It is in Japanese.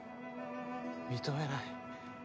認めない。